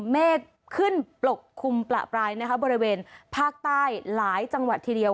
ฮัลโหลฮัลโหลฮัลโหลฮัลโหลฮัลโหลฮัลโหล